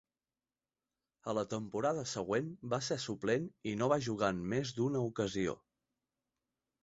A la temporada següent, va ser suplent i no va jugar en més d'una ocasió.